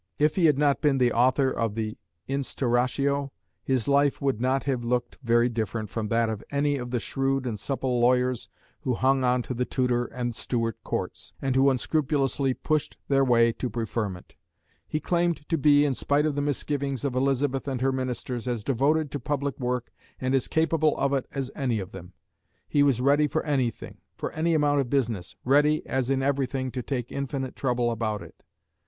If he had not been the author of the Instauratio, his life would not have looked very different from that of any other of the shrewd and supple lawyers who hung on to the Tudor and Stuart Courts, and who unscrupulously pushed their way to preferment. He claimed to be, in spite of the misgivings of Elizabeth and her ministers, as devoted to public work and as capable of it as any of them. He was ready for anything, for any amount of business, ready, as in everything, to take infinite trouble about it.